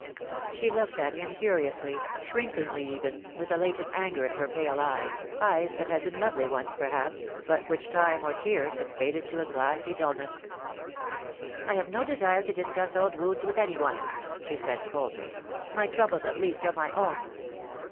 She looked at him curiously, shrinkingly even, with a latent anger in her pale eyes, eyes that had been lovely once, perhaps, but which time or tears had faded to a glassy dulness. "I have no desire to discuss old wounds with anyone," she said coldly. "My troubles at least are my own."